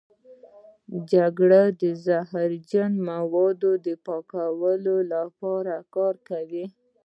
جگر د زهرجن موادو پاکولو لپاره کار کوي.